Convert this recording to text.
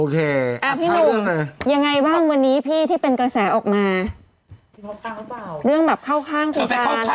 พี่หนุ่มยังไงบ้างวันนี้พี่ที่เป็นกระแสออกมา